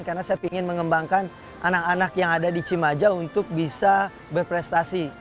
karena saya ingin mengembangkan anak anak yang ada di cimaja untuk bisa berprestasi